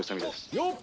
よっ！